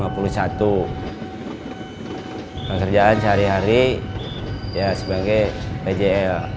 pekerjaan sehari hari sebagai pjl